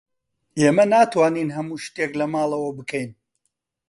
ئێمە ناتوانین هەموو شتێک لە ماڵەوە بکەین.